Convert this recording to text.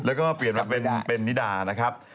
แล้วก็เปลี่ยนมาเป็นนิดานะครับ